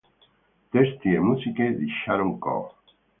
Testi e musiche di Sharon Corr.